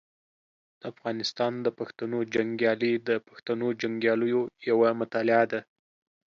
د افغانستان د پښتنو جنګیالي د پښتنو جنګیالیو یوه مطالعه ده.